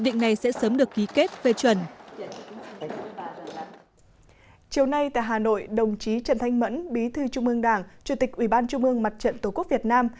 đồng chí trần thanh mẫn bí thư trung ương đảng chủ tịch ủy ban trung ương mặt trận tổ quốc việt nam